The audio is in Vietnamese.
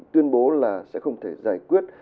tuyên bố là sẽ không thể giải quyết